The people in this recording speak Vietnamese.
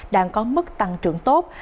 đang có mức tăng trưởng tốt